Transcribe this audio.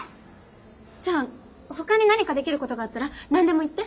じゃあほかに何かできることがあったら何でも言って。